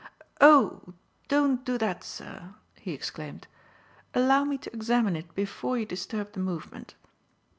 "Oh, don't do that, sir!" he exclaimed. "Allow me to examine it before you disturb the movement."